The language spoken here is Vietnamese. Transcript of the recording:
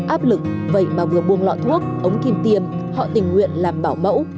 áp lực vậy mà vừa buông lọ thuốc ống kim tiêm họ tình nguyện làm bảo mẫu